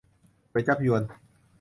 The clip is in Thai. ก๋วยจั๊บญวน